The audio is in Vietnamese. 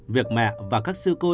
việc mẹ và các sư cô